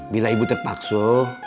bila ibu terpaksa